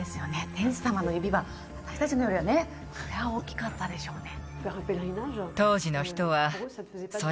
天使様の指は私達のよりはねそれは大きかったでしょうね